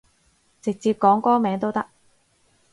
直接講歌名都得